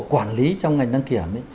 quản lý trong ngành đăng kiểm